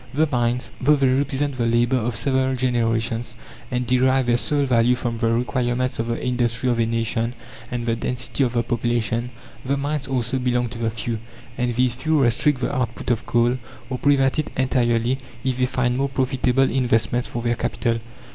The mines, though they represent the labour of several generations, and derive their sole value from the requirements of the industry of a nation and the density of the population the mines also belong to the few; and these few restrict the output of coal, or prevent it entirely, if they find more profitable investments for their capital.